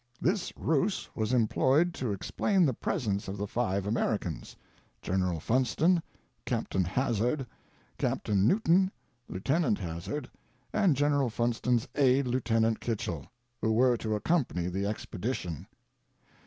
This ruse was employed to explain the presence of the five Americans: General Funston, Captain Hazzard, Captain New ton, Lieutenant Hazzard, and General Funston's aide, Lieutenant Kitchell, who were to accompany the expedition.